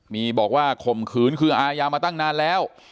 มีบอกว่าข่มขืนคืออายามาตั้งนานแล้ว